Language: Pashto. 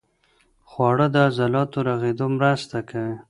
خواړه د عضلاتو رغېدو مرسته کوي.